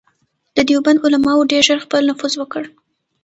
د دیوبند علماوو ډېر ژر خپل نفوذ وکړ.